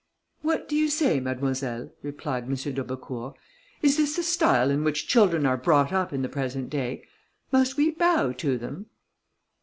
"What do you say, Mademoiselle?" replied M. d'Aubecourt, "is this the style in which children are brought up in the present day? must we bow to them?"